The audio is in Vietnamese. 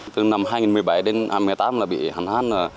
từ năm hai nghìn một mươi bảy đến hai nghìn một mươi tám là bị hẳn hãn